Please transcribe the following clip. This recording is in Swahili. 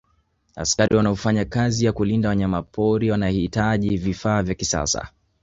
askari wanaofanya kazi ya kulinda wanyamapori wanahitaji vifaa vya kisasa